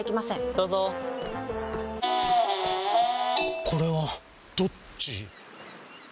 どうぞこれはどっち？